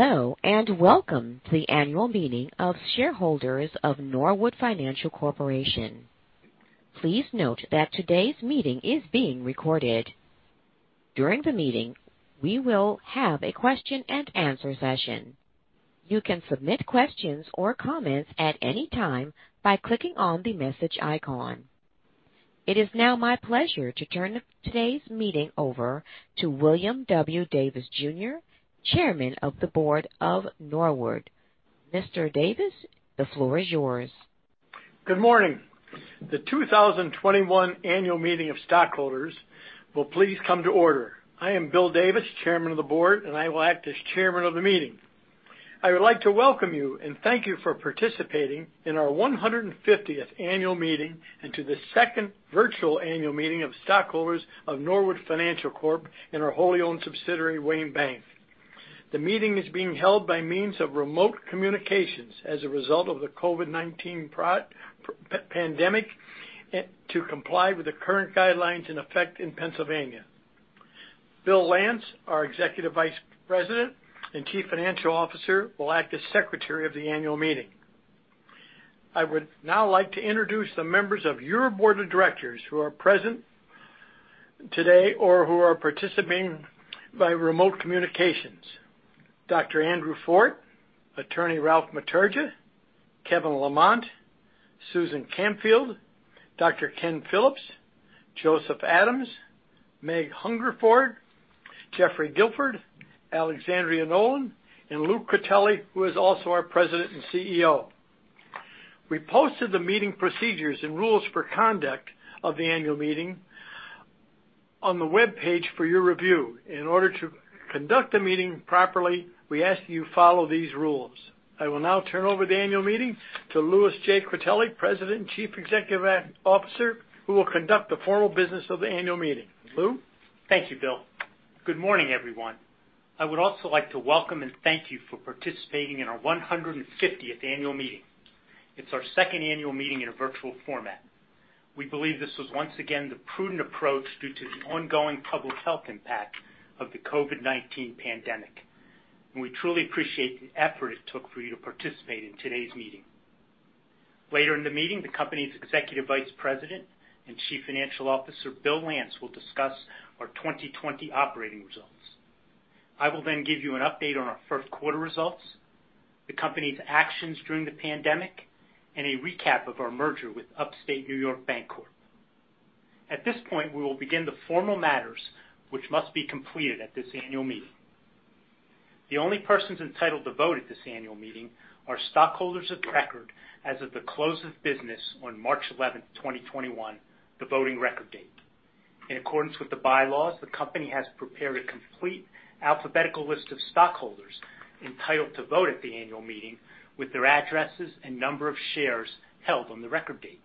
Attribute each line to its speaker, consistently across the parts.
Speaker 1: Hello, welcome to the annual meeting of shareholders of Norwood Financial Corp. Please note that today's meeting is being recorded. During the meeting, we will have a question and answer session. You can submit questions or comments at any time by clicking on the message icon. It is now my pleasure to turn today's meeting over to William W. Davis, Jr., Chairman of the Board of Norwood. Mr. Davis, the floor is yours.
Speaker 2: Good morning. The 2021 annual meeting of stockholders will please come to order. I am Bill Davis, Chairman of the Board, and I will act as Chairman of the Meeting. I would like to welcome you and thank you for participating in our 150th annual meeting and to the second virtual annual meeting of stockholders of Norwood Financial Corp. and our wholly owned subsidiary, Wayne Bank. The meeting is being held by means of remote communications as a result of the COVID-19 pandemic, to comply with the current guidelines in effect in Pennsylvania. William S. Lance, our Executive Vice President and Chief Financial Officer, will act as Secretary of the Annual Meeting. I would now like to introduce the members of your board of directors who are present today or who are participating by remote communications. Dr. Andrew Forte, Attorney Ralph Matergia, Kevin Lamont, Susan Campfield, Dr. Ken Phillips, Joseph Adams, Meg Hungerford, Jeffrey Gifford, Alexandra Nolan, and Lou Critelli, who is also our President and Chief Executive Officer. We posted the meeting procedures and rules for conduct of the annual meeting on the webpage for your review. In order to conduct the meeting properly, we ask you follow these rules. I will now turn over the annual meeting to Lewis J. Critelli, President and Chief Executive Officer, who will conduct the formal business of the annual meeting. Lou?
Speaker 3: Thank you, Bill. Good morning, everyone. I would also like to welcome and thank you for participating in our 150th annual meeting. It's our second annual meeting in a virtual format. We believe this was once again the prudent approach due to the ongoing public health impact of the COVID-19 pandemic, and we truly appreciate the effort it took for you to participate in today's meeting. Later in the meeting, the company's Executive Vice President and Chief Financial Officer, Bill Lance, will discuss our 2020 operating results. I will then give you an update on our Q1 results, the company's actions during the pandemic, and a recap of our merger with UpState New York Bancorp. At this point, we will begin the formal matters which must be completed at this annual meeting. The only persons entitled to vote at this annual meeting are stockholders of record as of the close of business on March 11th, 2021, the voting record date. In accordance with the bylaws, the company has prepared a complete alphabetical list of stockholders entitled to vote at the annual meeting with their addresses and number of shares held on the record date.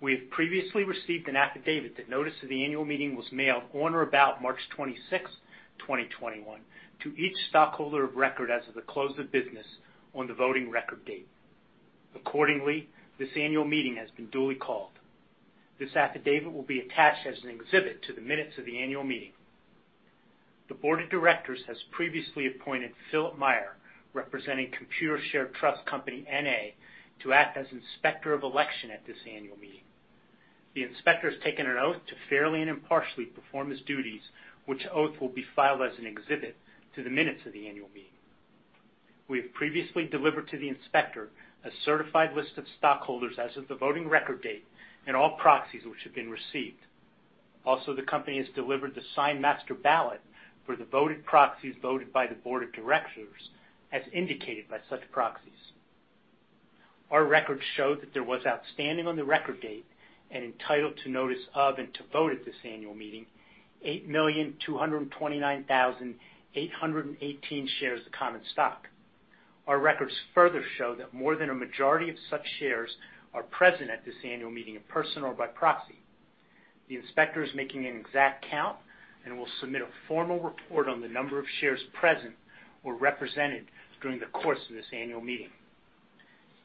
Speaker 3: We have previously received an affidavit that notice of the annual meeting was mailed on or about March 26th, 2021, to each stockholder of record as of the close of business on the voting record date. Accordingly, this annual meeting has been duly called. This affidavit will be attached as an exhibit to the minutes of the annual meeting. The board of directors has previously appointed Philip Meyer, representing Computershare Trust Company, N.A., to act as Inspector of Election at this annual meeting. The inspector has taken an oath to fairly and impartially perform his duties, which oath will be filed as an exhibit to the minutes of the annual meeting. We have previously delivered to the inspector a certified list of stockholders as of the voting record date and all proxies which have been received. Also, the company has delivered the signed master ballot for the voted proxies voted by the board of directors as indicated by such proxies. Our records show that there was outstanding on the record date and entitled to notice of and to vote at this annual meeting, 8,229,818 shares of common stock. Our records further show that more than a majority of such shares are present at this annual meeting in person or by proxy. The inspector is making an exact count and will submit a formal report on the number of shares present or represented during the course of this annual meeting.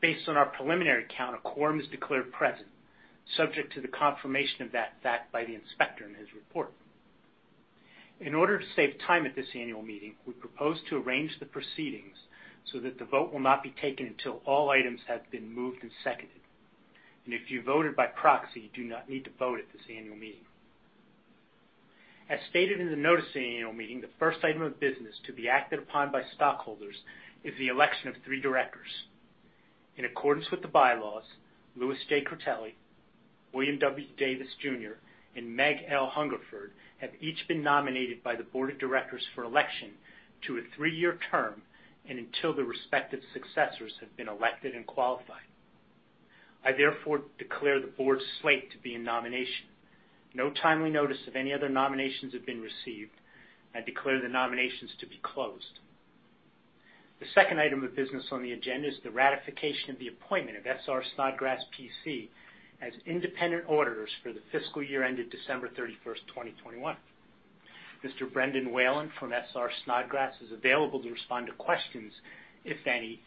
Speaker 3: Based on our preliminary count, a quorum is declared present, subject to the confirmation of that fact by the inspector in his report. In order to save time at this annual meeting, we propose to arrange the proceedings so that the vote will not be taken until all items have been moved and seconded. If you voted by proxy, you do not need to vote at this annual meeting. As stated in the notice of the annual meeting, the first item of business to be acted upon by stockholders is the election of three directors. In accordance with the bylaws, Lewis J. Critelli, William W. Davis, Jr., and Meg L. Hungerford have each been nominated by the board of directors for election to a three-year term and until their respective successors have been elected and qualified. I therefore declare the board slate to be in nomination. No timely notice of any other nominations have been received. I declare the nominations to be closed. The second item of business on the agenda is the ratification of the appointment of S.R. Snodgrass, P.C. as independent auditors for the fiscal year ended December 31st, 2021. Mr. Brendan Whalen from S.R. Snodgrass is available to respond to questions, if any,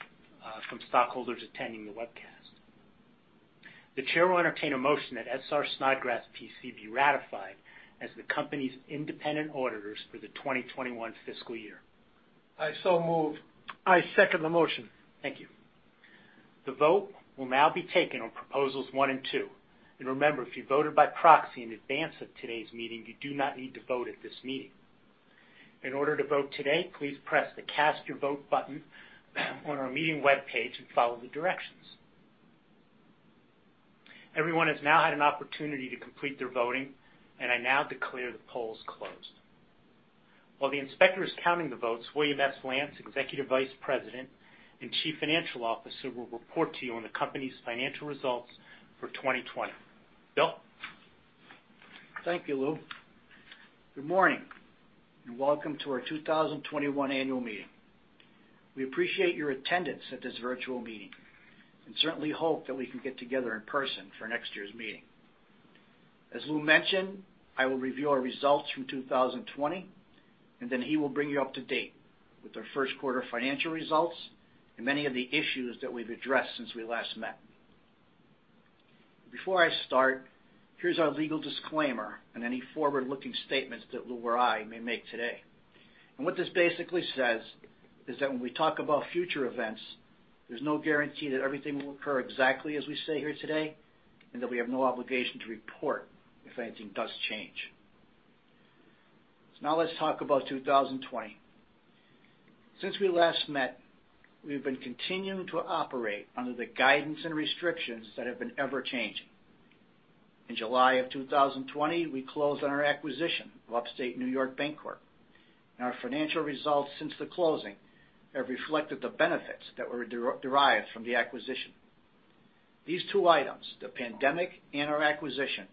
Speaker 3: from stockholders attending the webcast. The chair will entertain a motion that S.R. Snodgrass, P.C. be ratified as the company's independent auditors for the 2021 fiscal year.
Speaker 2: I so move.
Speaker 4: I second the motion.
Speaker 3: Thank you. The vote will now be taken on proposals one and two. Remember, if you voted by proxy in advance of today's meeting, you do not need to vote at this meeting. In order to vote today, please press the Cast Your Vote button on our meeting webpage and follow the directions. Everyone has now had an opportunity to complete their voting, and I now declare the polls closed. While the inspector is counting the votes, William S. Lance, Executive Vice President and Chief Financial Officer, will report to you on the company's financial results for 2020. Bill?
Speaker 4: Thank you, Lou. Good morning, welcome to our 2021 annual meeting. We appreciate your attendance at this virtual meeting and certainly hope that we can get together in person for next year's meeting. As Lou mentioned, I will review our results from 2020, then he will bring you up to date with our Q1 financial results and many of the issues that we've addressed since we last met. Before I start, here's our legal disclaimer on any forward-looking statements that Lou or I may make today. What this basically says is that when we talk about future events, there's no guarantee that everything will occur exactly as we say here today, and that we have no obligation to report if anything does change. Now let's talk about 2020. Since we last met, we've been continuing to operate under the guidance and restrictions that have been ever-changing. In July of 2020, we closed on our acquisition of UpState New York Bancorp. Our financial results since the closing have reflected the benefits that were derived from the acquisition. These two items, the pandemic and our acquisition,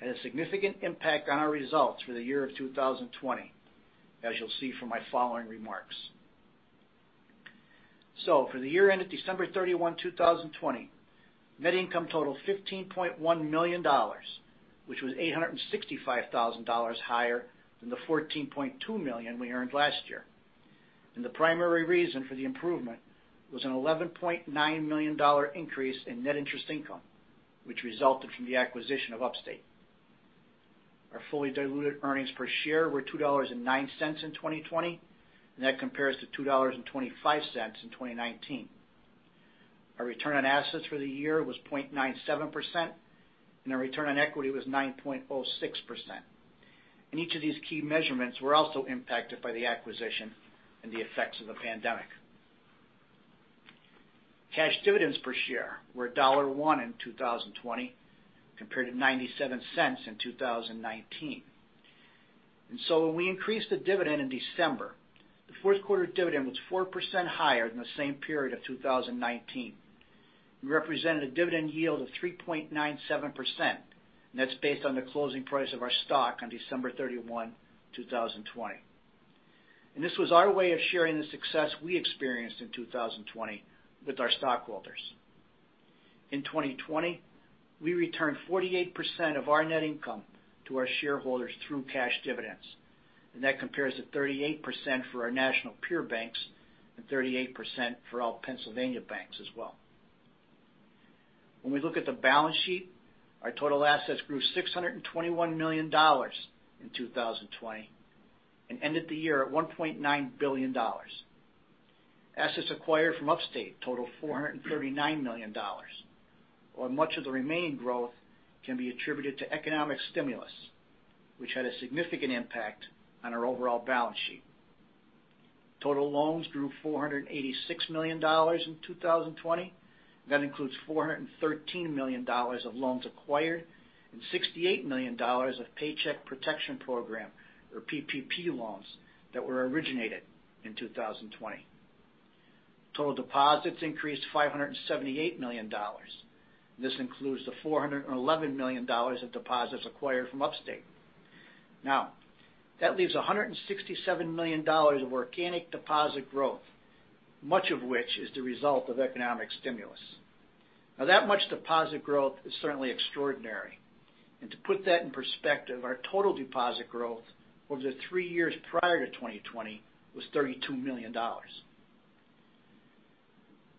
Speaker 4: had a significant impact on our results for the year of 2020, as you'll see from my following remarks. For the year end of December 31, 2020, net income totaled $15.1 million, which was $865,000 higher than the $14.2 million we earned last year. The primary reason for the improvement was an $11.9 million increase in net interest income, which resulted from the acquisition of UpState. Our fully diluted earnings per share were $2.09 in 2020. That compares to $2.25 in 2019. Our return on assets for the year was 0.97%, and our return on equity was 9.06%. Each of these key measurements were also impacted by the acquisition and the effects of the pandemic. Cash dividends per share were $1.01 in 2020, compared to $0.97 in 2019. When we increased the dividend in December, the Q4 dividend was 4% higher than the same period of 2019 and represented a dividend yield of 3.97%, and that's based on the closing price of our stock on December 31, 2020. This was our way of sharing the success we experienced in 2020 with our stockholders. In 2020, we returned 48% of our net income to our shareholders through cash dividends, and that compares to 38% for our national peer banks and 38% for all Pennsylvania banks as well. We look at the balance sheet, our total assets grew $621 million in 2020 and ended the year at $1.9 billion. Assets acquired from Upstate total $439 million, while much of the remaining growth can be attributed to economic stimulus, which had a significant impact on our overall balance sheet. Total loans grew $486 million in 2020. That includes $413 million of loans acquired and $68 million of Paycheck Protection Program, or PPP loans, that were originated in 2020. Total deposits increased $578 million. This includes the $411 million of deposits acquired from Upstate. That leaves $167 million of organic deposit growth, much of which is the result of economic stimulus. That much deposit growth is certainly extraordinary. To put that in perspective, our total deposit growth over the three years prior to 2020 was $32 million.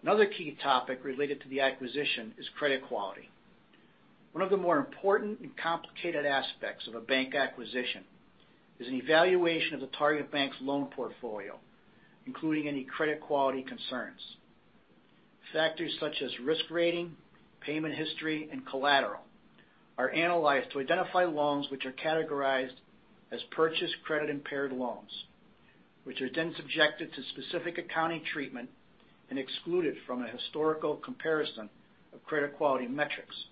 Speaker 4: Another key topic related to the acquisition is credit quality. One of the more important and complicated aspects of a bank acquisition is an evaluation of the target bank's loan portfolio, including any credit quality concerns. Factors such as risk rating, payment history, and collateral are analyzed to identify loans which are categorized as purchased credit-impaired loans, which are then subjected to specific accounting treatment and excluded from a historical comparison of credit quality metrics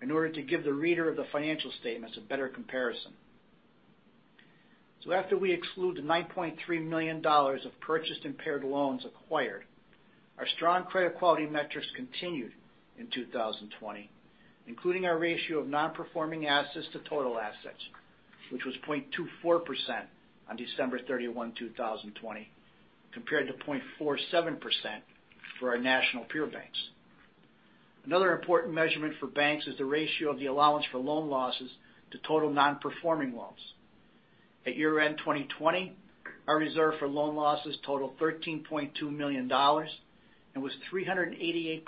Speaker 4: in order to give the reader of the financial statements a better comparison. After we exclude the $9.3 million of purchased impaired loans acquired, our strong credit quality metrics continued in 2020, including our ratio of non-performing assets to total assets, which was 0.24% on December 31, 2020, compared to 0.47% for our national peer banks. Another important measurement for banks is the ratio of the allowance for loan losses to total non-performing loans. At year-end 2020, our reserve for loan losses totaled $13.2 million and was 388%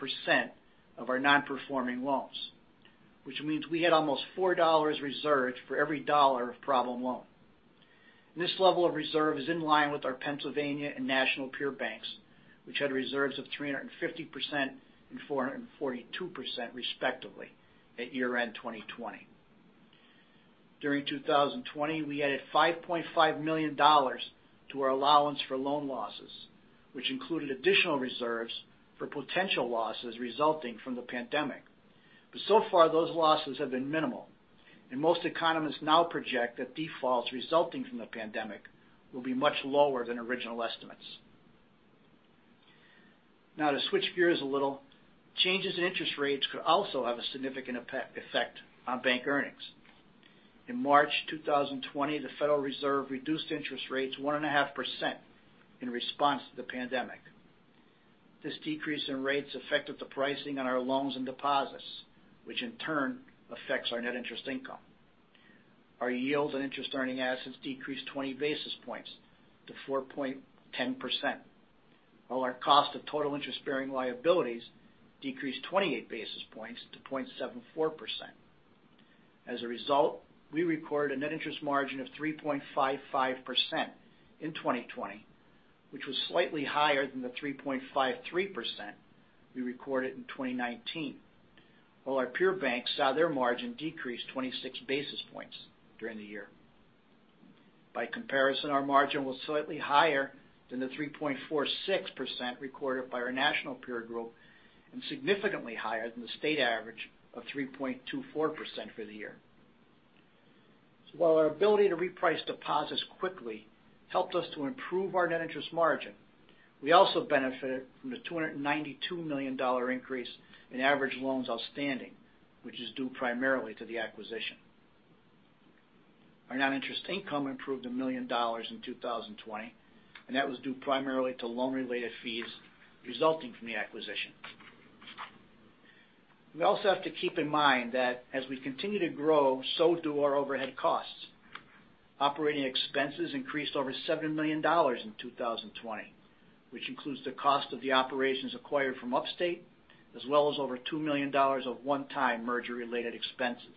Speaker 4: of our non-performing loans, which means we had almost $4 reserved for every dollar of problem loan. This level of reserve is in line with our Pennsylvania and national peer banks, which had reserves of 350% and 442%, respectively, at year-end 2020. During 2020, we added $5.5 million to our allowance for loan losses, which included additional reserves for potential losses resulting from the pandemic. So far, those losses have been minimal, and most economists now project that defaults resulting from the pandemic will be much lower than original estimates. To switch gears a little, changes in interest rates could also have a significant effect on bank earnings. In March 2020, the Federal Reserve reduced interest rates 1.5% in response to the pandemic. This decrease in rates affected the pricing on our loans and deposits, which in turn affects our net interest income. Our yield and interest-earning assets decreased 20 basis points to 4.10%, while our cost of total interest-bearing liabilities decreased 28 basis points to 0.74%. As a result, we recorded a net interest margin of 3.55% in 2020, which was slightly higher than the 3.53% we recorded in 2019. Our peer banks saw their margin decrease 26 basis points during the year. By comparison, our margin was slightly higher than the 3.46% recorded by our national peer group and significantly higher than the state average of 3.24% for the year. While our ability to reprice deposits quickly helped us to improve our net interest margin, we also benefited from the $292 million increase in average loans outstanding, which is due primarily to the acquisition. Our non-interest income improved $1 million in 2020, and that was due primarily to loan-related fees resulting from the acquisition. We also have to keep in mind that as we continue to grow, so do our overhead costs. Operating expenses increased over $7 million in 2020, which includes the cost of the operations acquired from UpState, as well as over $2 million of one-time merger-related expenses.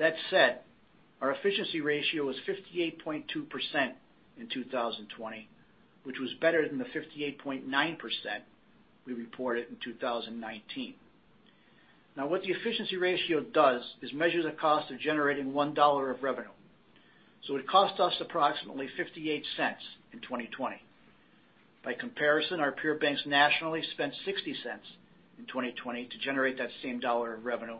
Speaker 4: That said, our efficiency ratio was 58.2% in 2020, which was better than the 58.9% we reported in 2019. Now, what the efficiency ratio does is measure the cost of generating $1 of revenue. It cost us approximately $0.58 in 2020. Our peer banks nationally spent $0.60 in 2020 to generate that same $1 of revenue,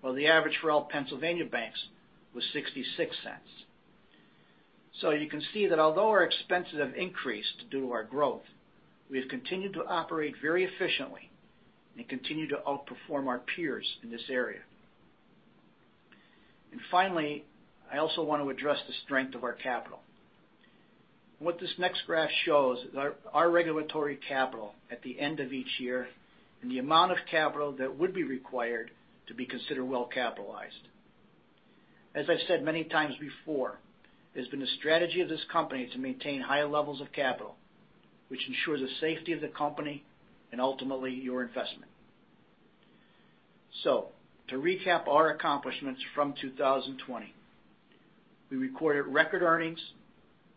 Speaker 4: while the average for all Pennsylvania banks was $0.66. You can see that although our expenses have increased due to our growth, we've continued to operate very efficiently and continue to outperform our peers in this area. Finally, I also want to address the strength of our capital. What this next graph shows is our regulatory capital at the end of each year and the amount of capital that would be required to be considered well-capitalized. As I've said many times before, it has been the strategy of this company to maintain high levels of capital, which ensures the safety of the company and ultimately your investment. To recap our accomplishments from 2020, we recorded record earnings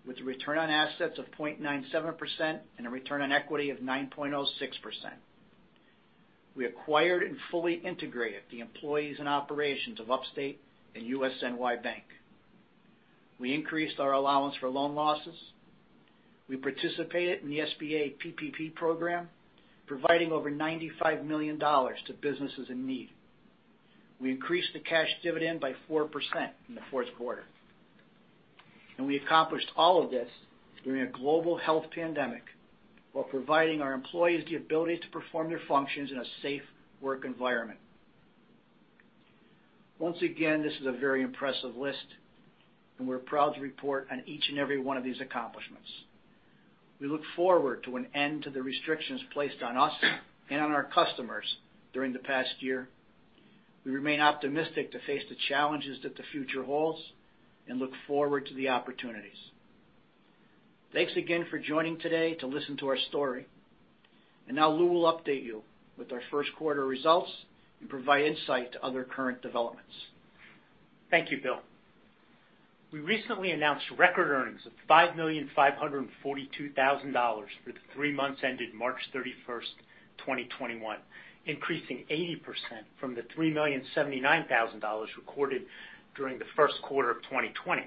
Speaker 4: with a return on assets of 0.97% and a return on equity of 9.06%. We acquired and fully integrated the employees and operations of Upstate and USNY Bank. We increased our allowance for loan losses. We participated in the SBA PPP program, providing over $95 million to businesses in need. We increased the cash dividend by 4% in the Q4. We accomplished all of this during a global health pandemic while providing our employees the ability to perform their functions in a safe work environment. Once again, this is a very impressive list, and we're proud to report on each and every one of these accomplishments. We look forward to an end to the restrictions placed on us and on our customers during the past year. We remain optimistic to face the challenges that the future holds and look forward to the opportunities. Thanks again for joining today to listen to our story. Now Lou will update you with our Q1 results and provide insight to other current developments.
Speaker 3: Thank you, Bill. We recently announced record earnings of $5,542,000 for the three months ended March 31, 2021, increasing 80% from the $3,079,000 recorded during the Q1 of 2020.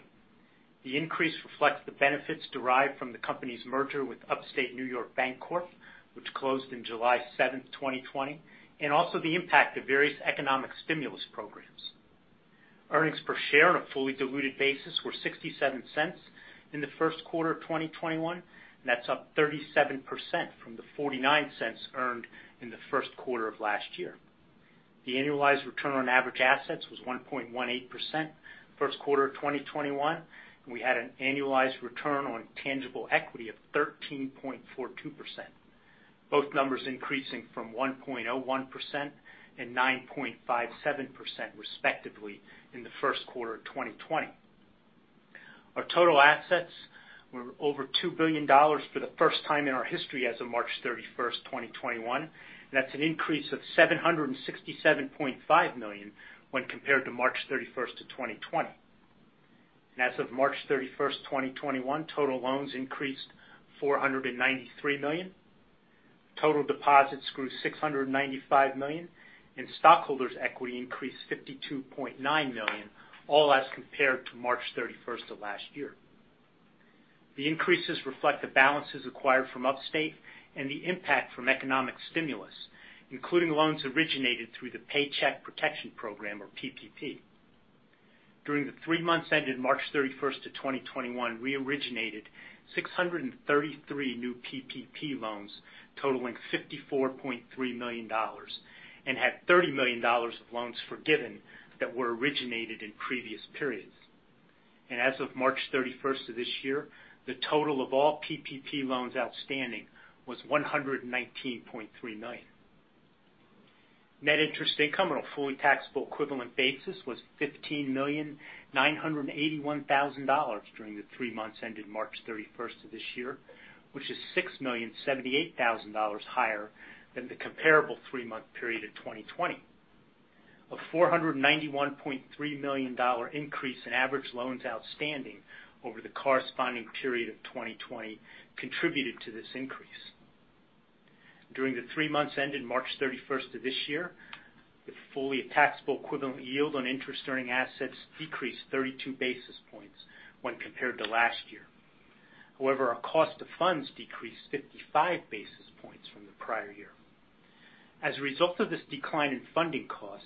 Speaker 3: The increase reflects the benefits derived from the company's merger with UpState New York Bancorp, which closed in July 7, 2020, and also the impact of various economic stimulus programs. Earnings per share on a fully diluted basis were $0.67 in the Q1 of 2021. That's up 37% from the $0.49 earned in the Q1 of last year. The annualized return on average assets was 1.18% Q1 of 2021, and we had an annualized return on tangible equity of 13.42%, both numbers increasing from 1.01% and 9.57%, respectively, in the Q1 of 2020. Our total assets were over $2 billion for the first time in our history as of March 31, 2021. That's an increase of $767.5 million when compared to March 31st of 2020. As of March 31st, 2021, total loans increased $493 million. Total deposits grew $695 million, and stockholders' equity increased $52.9 million, all as compared to March 31st of last year. The increases reflect the balances acquired from UpState and the impact from economic stimulus, including loans originated through the Paycheck Protection Program, or PPP. During the three months ended March 31st of 2021, we originated 633 new PPP loans totaling $54.3 million and had $30 million of loans forgiven that were originated in previous periods. As of March 31st of this year, the total of all PPP loans outstanding was $119.3 million. Net interest income on a fully taxable equivalent basis was $15,981,000 during the three months ended March 31st of this year, which is $6,078,000 higher than the comparable three-month period of 2020. A $491.3 million increase in average loans outstanding over the corresponding period of 2020 contributed to this increase. During the three months ended March 31st of this year, the fully taxable equivalent yield on interest-earning assets decreased 32 basis points when compared to last year. However, our cost of funds decreased 55 basis points from the prior year. As a result of this decline in funding cost,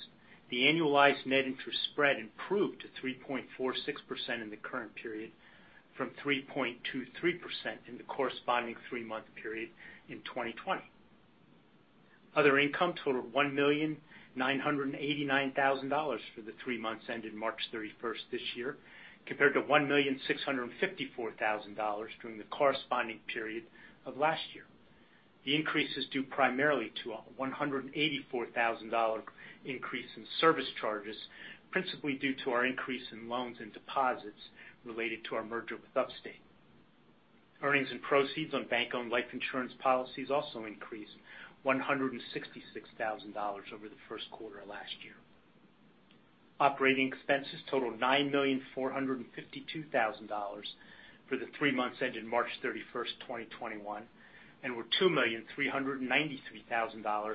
Speaker 3: the annualized net interest spread improved to 3.46% in the current period from 3.23% in the corresponding three-month period in 2020. Other income totaled $1,989,000 for the three months ended March 31st this year, compared to $1,654,000 during the corresponding period of last year. The increase is due primarily to a $184,000 increase in service charges, principally due to our increase in loans and deposits related to our merger with UpState. Earnings and proceeds on bank-owned life insurance policies also increased $166,000 over the Q1 of last year. Operating expenses totaled $9,452,000 for the three months ended March 31st, 2021, and were $2,393,000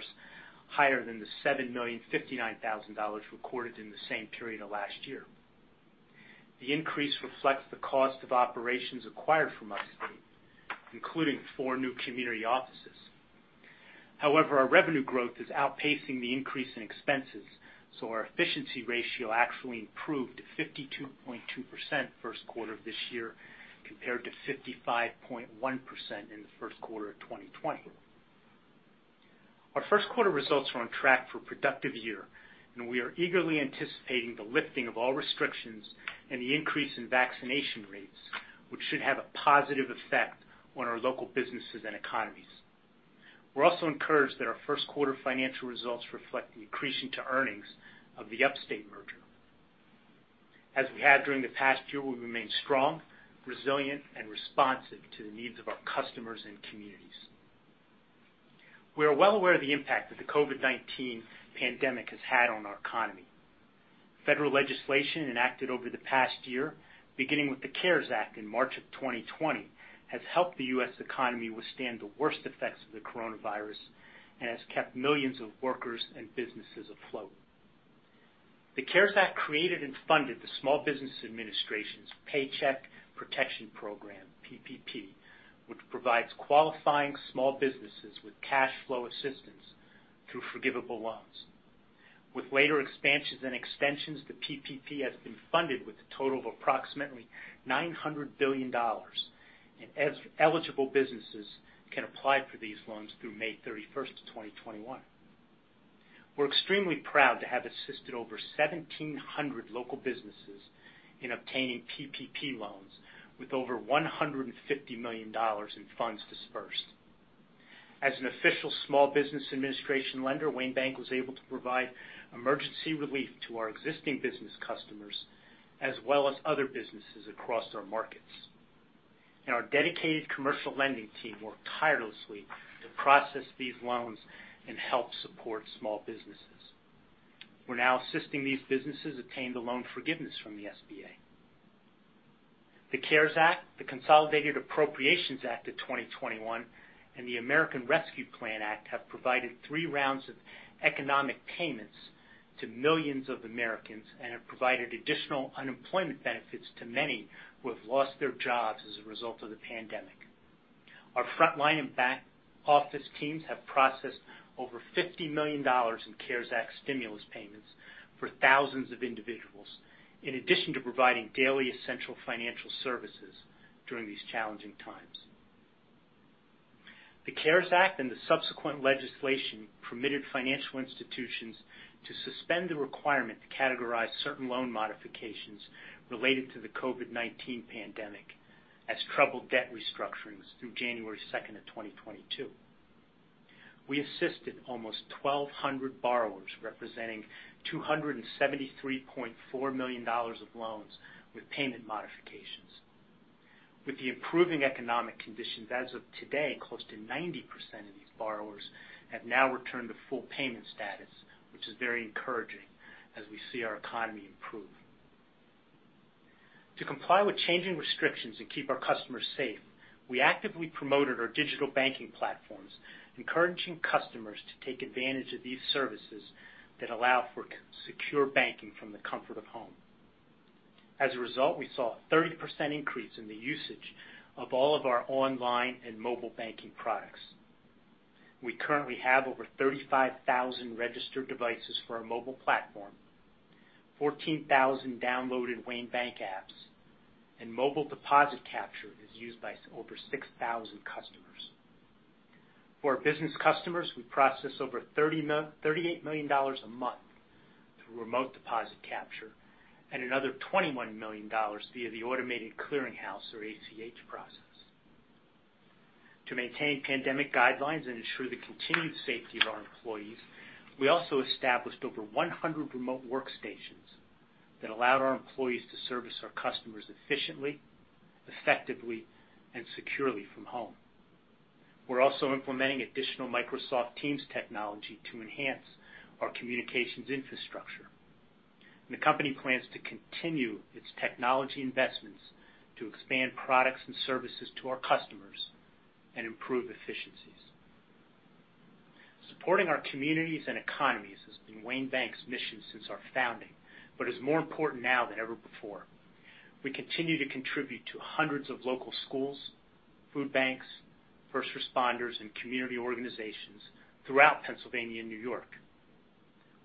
Speaker 3: higher than the $7,059,000 recorded in the same period of last year. The increase reflects the cost of operations acquired from UpState, including four new community offices. However, our revenue growth is outpacing the increase in expenses, so our efficiency ratio actually improved to 52.2% Q1 of this year compared to 55.1% in the Q1 of 2020. Our Q1 results are on track for a productive year, and we are eagerly anticipating the lifting of all restrictions and the increase in vaccination rates, which should have a positive effect on our local businesses and economies. We're also encouraged that our Q1 financial results reflect the accretion to earnings of the UpState merger. As we have during the past year, we'll remain strong, resilient, and responsive to the needs of our customers and communities. We are well aware of the impact that the COVID-19 pandemic has had on our economy. Federal legislation enacted over the past year, beginning with the CARES Act in March of 2020, has helped the U.S. economy withstand the worst effects of the coronavirus and has kept millions of workers and businesses afloat. The CARES Act created and funded the Small Business Administration's Paycheck Protection Program, PPP, which provides qualifying small businesses with cash flow assistance through forgivable loans. With later expansions and extensions, the PPP has been funded with a total of approximately $900 billion, and eligible businesses can apply for these loans through May 31st of 2021. We're extremely proud to have assisted over 1,700 local businesses in obtaining PPP loans with over $150 million in funds disbursed. As an official Small Business Administration lender, Wayne Bank was able to provide emergency relief to our existing business customers, as well as other businesses across our markets. Our dedicated commercial lending team worked tirelessly to process these loans and help support small businesses. We're now assisting these businesses obtain the loan forgiveness from the SBA. The CARES Act, the Consolidated Appropriations Act of 2021, and the American Rescue Plan Act have provided three rounds of economic payments to millions of Americans and have provided additional unemployment benefits to many who have lost their jobs as a result of the COVID-19. Our frontline and back-office teams have processed over $50 million in CARES Act stimulus payments for thousands of individuals, in addition to providing daily essential financial services during these challenging times. The CARES Act and the subsequent legislation permitted financial institutions to suspend the requirement to categorize certain loan modifications related to the COVID-19 pandemic as troubled debt restructurings through January 2nd of 2022. We assisted almost 1,200 borrowers, representing $273.4 million of loans with payment modifications. With the improving economic conditions as of today, close to 90% of these borrowers have now returned to full payment status, which is very encouraging as we see our economy improve. To comply with changing restrictions and keep our customers safe, we actively promoted our digital banking platforms, encouraging customers to take advantage of these services that allow for secure banking from the comfort of home. As a result, we saw a 30% increase in the usage of all of our online and mobile banking products. We currently have over 35,000 registered devices for our mobile platform, 14,000 downloaded Wayne Bank apps, and mobile deposit capture is used by over 6,000 customers. For our business customers, we process over $38 million a month through remote deposit capture and another $21 million via the automated clearing house, or ACH process. To maintain pandemic guidelines and ensure the continued safety of our employees, we also established over 100 remote workstations that allowed our employees to service our customers efficiently, effectively, and securely from home. We're also implementing additional Microsoft Teams technology to enhance our communications infrastructure. The company plans to continue its technology investments to expand products and services to our customers and improve efficiencies. Supporting our communities and economies has been Wayne Bank's mission since our founding, but is more important now than ever before. We continue to contribute to hundreds of local schools, food banks, first responders, and community organizations throughout Pennsylvania and New York.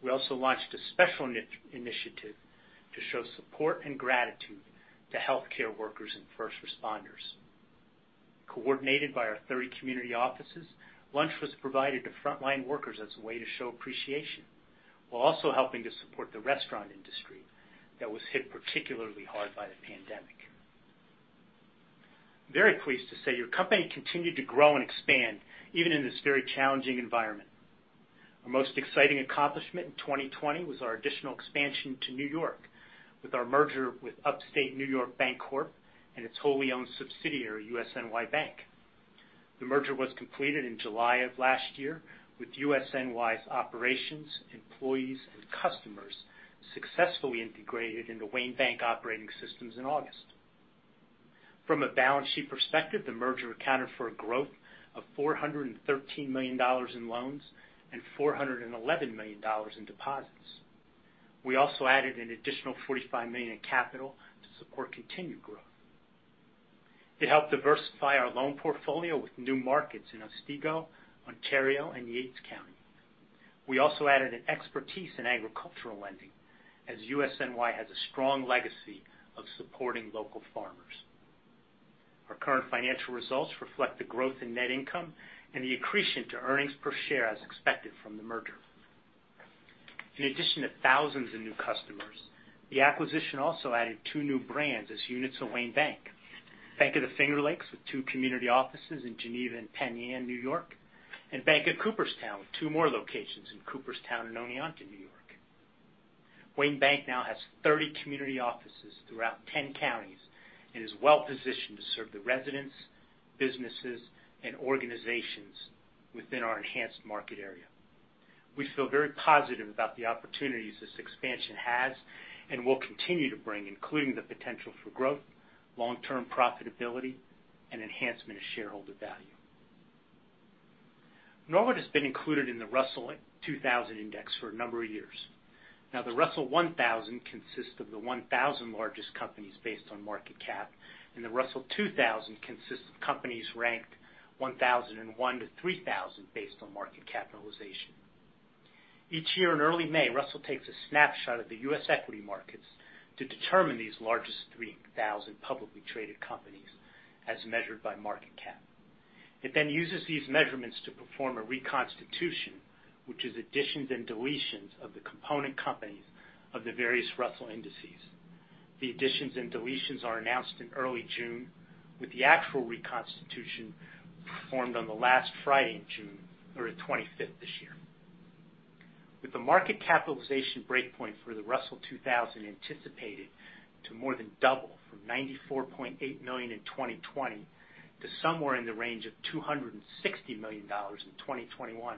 Speaker 3: We also launched a special initiative to show support and gratitude to healthcare workers and first responders. Coordinated by our 30 community offices, lunch was provided to frontline workers as a way to show appreciation, while also helping to support the restaurant industry that was hit particularly hard by the pandemic. Very pleased to say your company continued to grow and expand even in this very challenging environment. Our most exciting accomplishment in 2020 was our additional expansion to New York with our merger with UpState New York Bancorp and its wholly-owned subsidiary, USNY Bank. The merger was completed in July of last year with USNY's operations, employees, and customers successfully integrated into Wayne Bank operating systems in August. From a balance sheet perspective, the merger accounted for a growth of $413 million in loans and $411 million in deposits. We also added an additional $45 million in capital to support continued growth. It helped diversify our loan portfolio with new markets in Otsego, Ontario, and Yates County. We also added an expertise in agricultural lending as USNY has a strong legacy of supporting local farmers. Our current financial results reflect the growth in net income and the accretion to earnings per share as expected from the merger. In addition to thousands of new customers, the acquisition also added two new brands as units of Wayne Bank. Bank of the Finger Lakes with two community offices in Geneva and Penn Yan, New York. Bank of Cooperstown with two more locations in Cooperstown and Oneonta, New York. Wayne Bank now has 30 community offices throughout 10 counties and is well-positioned to serve the residents, businesses, and organizations within our enhanced market area. We feel very positive about the opportunities this expansion has and will continue to bring, including the potential for growth, long-term profitability, and enhancement of shareholder value. Norwood has been included in the Russell 2000 Index for a number of years. The Russell 1000 consists of the 1,000 largest companies based on market cap, and the Russell 2000 consists of companies ranked 1,001-3,000 based on market capitalization. Each year in early May, Russell takes a snapshot of the U.S. equity markets to determine these largest 3,000 publicly traded companies as measured by market cap. It then uses these measurements to perform a reconstitution, which is additions and deletions of the component companies of the various Russell indexes. The additions and deletions are announced in early June, with the actual reconstitution performed on the last Friday in June or the 25th this year. With the market capitalization breakpoint for the Russell 2000 anticipated to more than double from $94.8 million in 2020 to somewhere in the range of $260 million in 2021,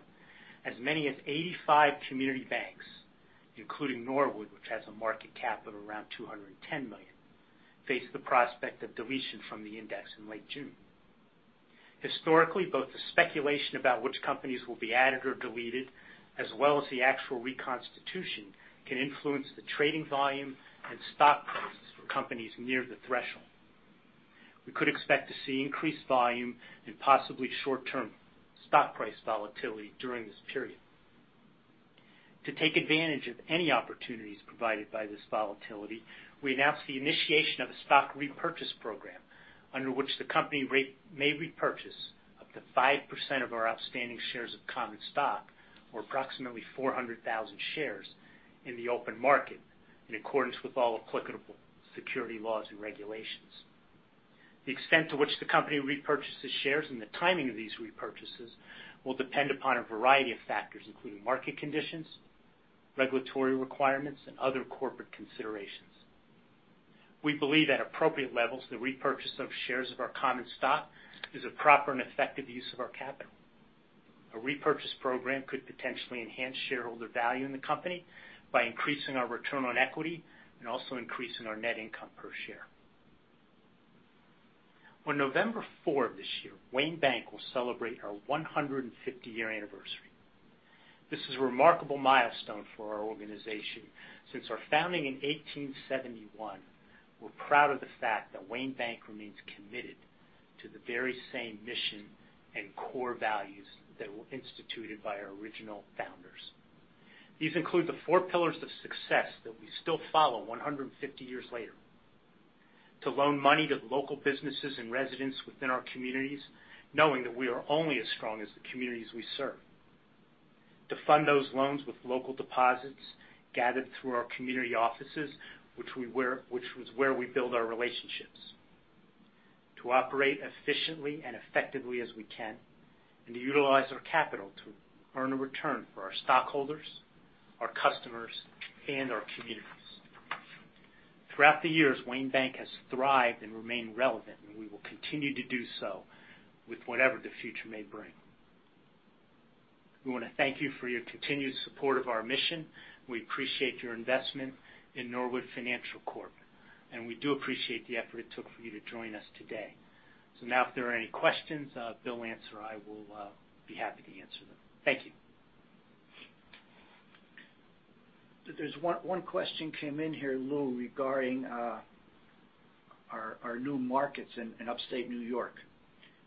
Speaker 3: as many as 85 community banks, including Norwood, which has a market cap of around $210 million, face the prospect of deletion from the index in late June. Historically, both the speculation about which companies will be added or deleted, as well as the actual reconstitution, can influence the trading volume and stock prices for companies near the threshold. We could expect to see increased volume and possibly short-term stock price volatility during this period. To take advantage of any opportunities provided by this volatility, we announced the initiation of a stock repurchase program under which the company may repurchase up to 5% of our outstanding shares of common stock, or approximately 400,000 shares, in the open market in accordance with all applicable security laws and regulations. The extent to which the company repurchases shares and the timing of these repurchases will depend upon a variety of factors, including market conditions, regulatory requirements, and other corporate considerations. We believe at appropriate levels, the repurchase of shares of our common stock is a proper and effective use of our capital. A repurchase program could potentially enhance shareholder value in the company by increasing our return on equity and also increasing our net income per share. On November 4 of this year, Wayne Bank will celebrate our 150-year anniversary. This is a remarkable milestone for our organization. Since our founding in 1871, we're proud of the fact that Wayne Bank remains committed to the very same mission and core values that were instituted by our original founders. These include the four pillars of success that we still follow 150 years later. To loan money to local businesses and residents within our communities, knowing that we are only as strong as the communities we serve. To fund those loans with local deposits gathered through our community offices, which was where we build our relationships. To operate efficiently and effectively as we can, and to utilize our capital to earn a return for our stockholders, our customers, and our communities. Throughout the years, Wayne Bank has thrived and remained relevant, and we will continue to do so with whatever the future may bring. We want to thank you for your continued support of our mission. We appreciate your investment in Norwood Financial Corp, and we do appreciate the effort it took for you to join us today. Now, if there are any questions, Bill Lance, or I will be happy to answer them. Thank you.
Speaker 4: There's one question came in here, Lou, regarding our new markets in upstate New York.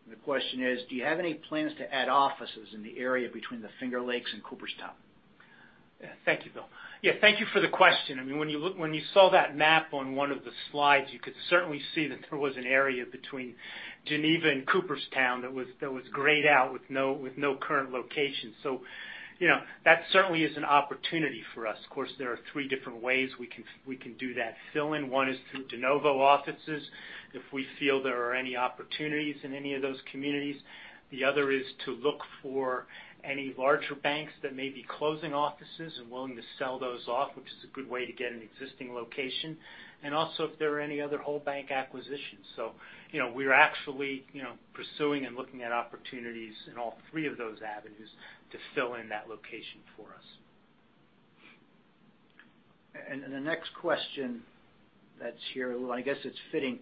Speaker 4: The question is, do you have any plans to add offices in the area between the Finger Lakes and Cooperstown?
Speaker 3: Yeah, thank you, Bill. Yeah, thank you for the question. I mean, when you saw that map on one of the slides, you could certainly see that there was an area between Geneva and Cooperstown that was grayed out with no current location. That certainly is an opportunity for us. Of course, there are three different ways we can do that fill in. One is through de novo offices, if we feel there are any opportunities in any of those communities. The other is to look for any larger banks that may be closing offices and willing to sell those off, which is a good way to get an existing location. Also, if there are any other whole bank acquisitions. We're actually pursuing and looking at opportunities in all three of those avenues to fill in that location for us.
Speaker 4: The next question that's here, Lou, I guess it's fitting.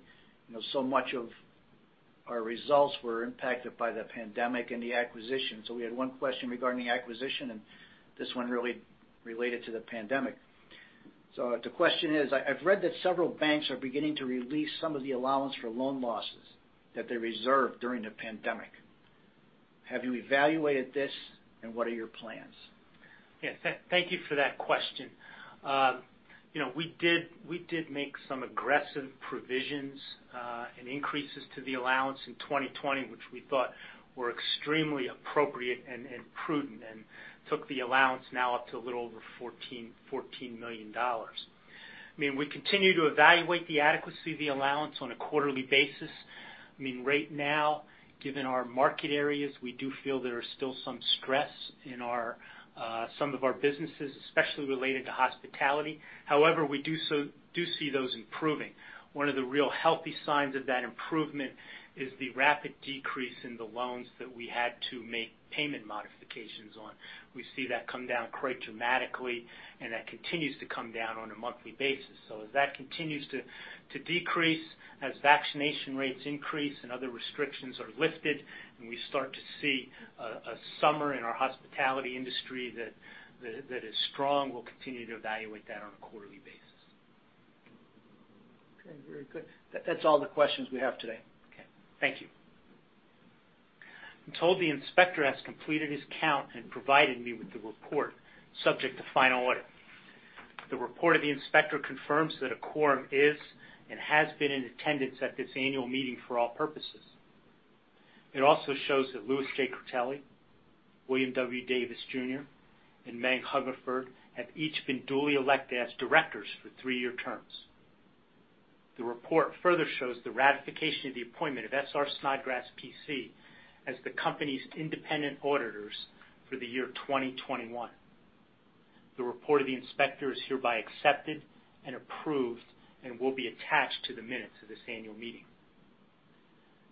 Speaker 4: Much of our results were impacted by the pandemic and the acquisition. We had one question regarding the acquisition, and this one really related to the pandemic. The question is, "I've read that several banks are beginning to release some of the allowance for loan losses that they reserved during the pandemic. Have you evaluated this, and what are your plans?
Speaker 3: Yeah. Thank you for that question. We did make some aggressive provisions, and increases to the allowance in 2020, which we thought were extremely appropriate and prudent and took the allowance now up to a little over $14 million. I mean, we continue to evaluate the adequacy of the allowance on a quarterly basis. Right now, given our market areas, we do feel there is still some stress in some of our businesses, especially related to hospitality. However, we do see those improving. One of the real healthy signs of that improvement is the rapid decrease in the loans that we had to make payment modifications on. We see that come down quite dramatically, and that continues to come down on a monthly basis. As that continues to decrease, as vaccination rates increase and other restrictions are lifted, and we start to see a summer in our hospitality industry that is strong, we'll continue to evaluate that on a quarterly basis.
Speaker 4: Okay, very good. That's all the questions we have today.
Speaker 3: Okay. Thank you. I'm told the inspector has completed his count and provided me with the report, subject to final audit. The report of the inspector confirms that a quorum is and has been in attendance at this annual meeting for all purposes. It also shows that Lewis J. Critelli, William W. Davis, Jr., and Meg L. Hungerford have each been duly elected as directors for three-year terms. The report further shows the ratification of the appointment of S.R. Snodgrass, P.C. as the company's independent auditors for the year 2021. The report of the inspector is hereby accepted and approved and will be attached to the minutes of this annual meeting.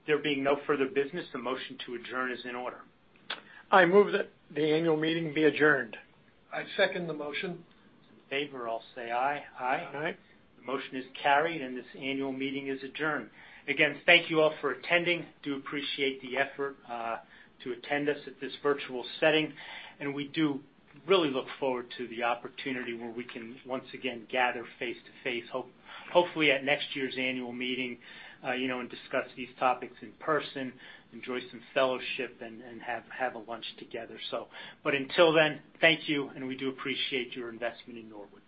Speaker 3: There being no further business, the motion to adjourn is in order.
Speaker 2: I move that the annual meeting be adjourned. I second the motion.
Speaker 3: Those in favor, all say "Aye.
Speaker 4: Aye.
Speaker 3: The motion is carried, and this annual meeting is adjourned. Again, thank you all for attending. Do appreciate the effort to attend us at this virtual setting, and we do really look forward to the opportunity where we can once again gather face-to-face, hopefully at next year's annual meeting, and discuss these topics in person, enjoy some fellowship, and have a lunch together. Until then, thank you, and we do appreciate your investment in Norwood.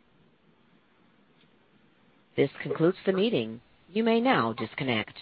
Speaker 1: This concludes the meeting. You may now disconnect.